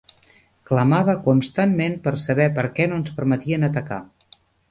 Clamava constantment per saber per què no ens permetien atacar.